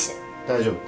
大丈夫。